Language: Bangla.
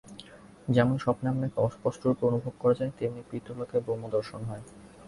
যেমন স্বপ্নে আপনাকে অস্পষ্টরূপে অনুভব করা যায়, তেমনি পিতৃলোকে ব্রহ্মদর্শন হয়।